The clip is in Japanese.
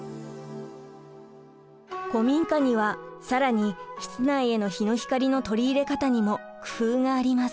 古民家には更に室内への日の光の取り入れ方にも工夫があります。